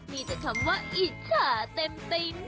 เนี้ยทำไว้อิชาเด็มเป้ย์แนธ